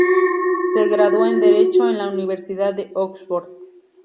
Se graduó en Derecho en la Universidad de Oxford.